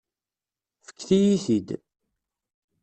Fket-iyi-t-id.